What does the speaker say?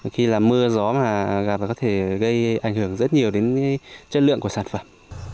khi là mưa gió mà gặp có thể gây ảnh hưởng rất nhiều đến chất lượng của sản phẩm